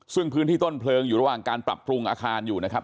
ซึ่งพื้นที่ต้นเพลิงอยู่ระหว่างการปรับปรุงอาคารอยู่นะครับ